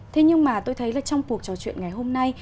thế nhưng mà tôi thấy là trong cuộc trò chuyện ngày hôm nay